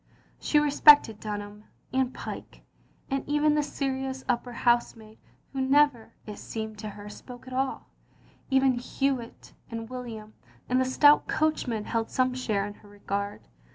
She respected Dunham, and Pyke, and even the serious upper housemaid, who never, it seemed to her, spoke at aU; even Hewitt and William and the stout coachman held some share in her regard.